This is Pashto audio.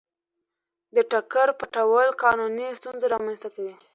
د ټکر پټول قانوني ستونزه رامنځته کوي.